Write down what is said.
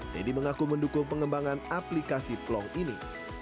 deddy mengaku mendukung pengembangan aplikasi plong ini